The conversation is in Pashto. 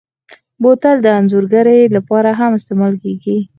بوتل د انځورګرۍ لپاره هم استعمالېږي.